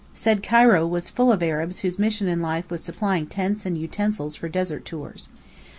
Said Cairo was full of Arabs whose mission in life was supplying tents and utensils for desert tours.